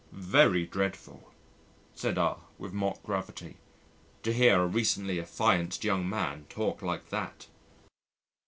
"Very dreadful," said R with mock gravity, "to hear a recently affianced young man talk like that."